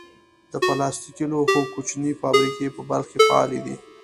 د پلاستیکي لوښو کوچنۍ فابریکې په بلخ کې فعالې دي.